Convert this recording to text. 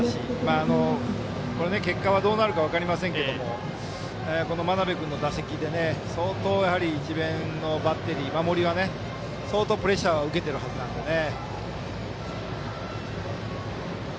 結果はどうなるか分かりませんけどこの真鍋君の打席で相当、智弁のバッテリー守りは相当プレッシャーを受けてるはずなのでね。